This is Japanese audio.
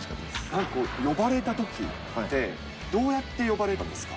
なんかこう、呼ばれたときってどうやって呼ばれたんですか？